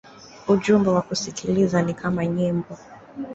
Ujumbe wa kusikiliza ni kama nyimbo.